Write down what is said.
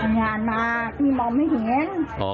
งานมาพี่มองไม่เห็น